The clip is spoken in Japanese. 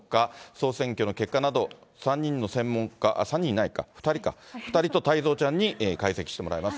総選挙の結果など、３人の専門家、３人いないか、２人か、２人と太蔵ちゃんに解析してもらいます。